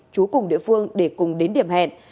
chú cùng địa phương để cùng đến điểm hẹn